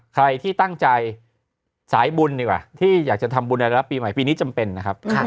ใครที่ตั้งใจสายบุญดีกว่าที่อยากจะทำบุญในรับปีใหม่ปีนี้จำเป็นนะครับ